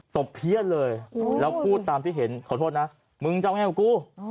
บเพี้ยนเลยแล้วพูดตามที่เห็นขอโทษนะมึงจะเอาให้กับกู